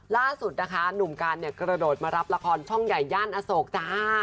ล่าสุดนะคะหนุ่มการเนี่ยกระโดดมารับละครช่องใหญ่ย่านอโศกจ้า